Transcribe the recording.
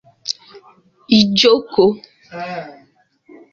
Ijoko